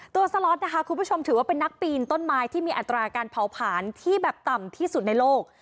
สล็อตนะคะคุณผู้ชมถือว่าเป็นนักปีนต้นไม้ที่มีอัตราการเผาผลาญที่แบบต่ำที่สุดในโลก